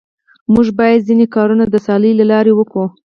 موږ بايد ځيني کارونه د سياليو له لاري وکو.